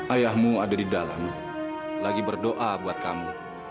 ayahmu jatuh di dalam rumahmu